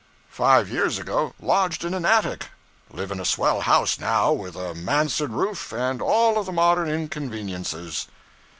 Five years ago, lodged in an attic; live in a swell house now, with a mansard roof, and all the modern inconveniences.'